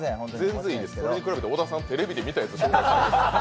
全然いいです、それに比べて小田さんテレビで見たやつ紹介した。